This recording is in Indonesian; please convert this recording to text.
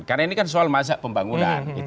karena ini kan soal masyarakat pembangunan